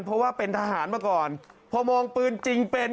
เพราะว่าเป็นทหารมาก่อนพอมองปืนจริงเป็น